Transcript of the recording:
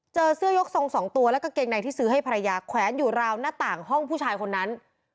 เจอเสื้อยกทรงสองตัวและกางเกงในที่ซื้อให้ภรรยาแขวนอยู่ราวหน้าต่างห้องผู้ชายคนนั้น